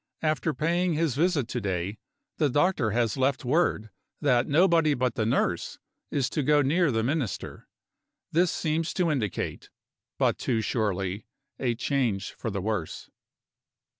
After paying his visit to day, the doctor has left word that nobody but the nurse is to go near the Minister. This seems to indicate, but too surely, a change for the worse.